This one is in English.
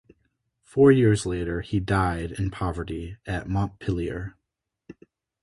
Four years later he died in poverty at Montpellier.